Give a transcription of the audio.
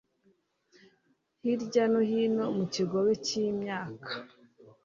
Hirya no hino mu kigobe cyimyaka